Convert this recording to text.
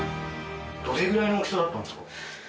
どれぐらいの大きさだったんですか？